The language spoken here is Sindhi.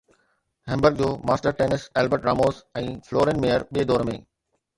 هيمبرگ جو master tennis Albert Ramos ۽ Florian Mayer ٻئي دور ۾